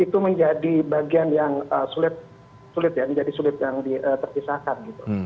itu menjadi bagian yang sulit ya menjadi sulit yang terpisahkan gitu